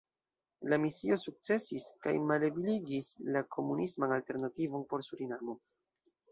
La misio sukcesis kaj malebligis la komunisman alternativon por Surinamo.